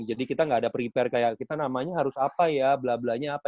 jadi kita gak ada prepare kayak kita namanya harus apa ya blablanya apa